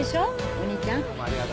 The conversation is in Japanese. お兄ちゃん。